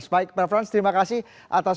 baik pak frans terima kasih atas